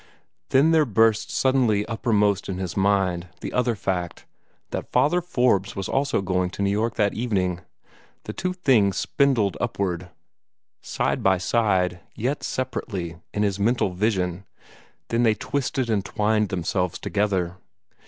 Then there burst suddenly uppermost in his mind the other fact that Father Forbes was also going to New York that evening. The two things spindled upward, side by side, yet separately, in his mental vision; then they twisted and twined themselves together.